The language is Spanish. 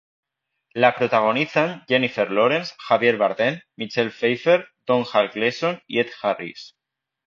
La protagonizan Jennifer Lawrence, Javier Bardem, Michelle Pfeiffer, Domhnall Gleeson y Ed Harris.